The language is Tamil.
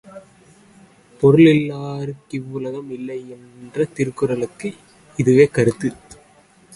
பொருளில்லார்க்கிவ்வுலகம் இல்லை என்ற திருக்குறளுக்கு இதுவே கருத்து.